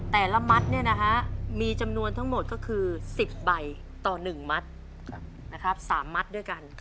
แต่ละมัดมีจำนวนทั้งหมดก็คือ๑๐ใบต่อ๑มัด๓มัดด้วยกัน